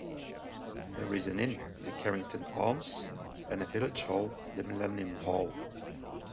There is an inn, the Carrington Arms, and a village hall, the Millennium Hall.